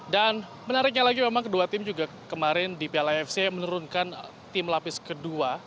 dan menariknya lagi memang kedua tim juga kemarin di piala afc menurunkan tim lapis kedua